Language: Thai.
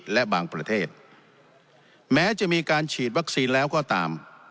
และบางประเทศแม้จะมีการฉีดวัคซีนแล้วก็ตาม